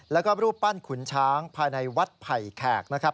แล้วก็รูปปั้นขุนช้างภายในวัดไผ่แขกนะครับ